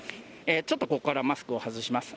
ちょっとここからマスクを外します。